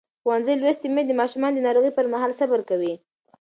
ښوونځې لوستې میندې د ماشومانو د ناروغۍ پر مهال صبر کوي.